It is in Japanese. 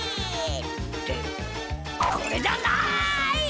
ってこれじゃない！